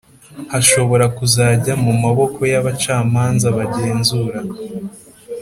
hashobora kuzajya mu maboko y’abacamanza bagenzura